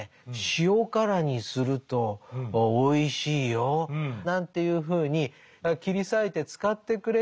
塩辛にするとおいしいよ」なんていうふうに「切り裂いて使ってくれ」っていうふうに言うんですよ。